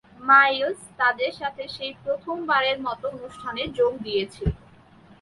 Miles তাদের সাথে সেই প্রথম বারের মত অনুষ্ঠানে যোগ দিয়েছিল।